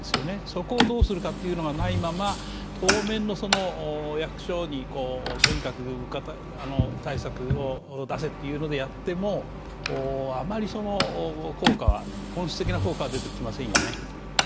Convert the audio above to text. そこをどうするかというのがないまま、当面の、役所にとにかく物価対策を出せというのでやっても、あまり本質的な効果は出てきませんよね。